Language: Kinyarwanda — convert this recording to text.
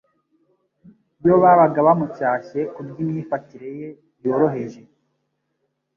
iyo babaga bamucyashye kubw'imyifatire ye yoroheje.